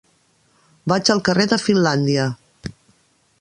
Vaig al carrer de Finlàndia.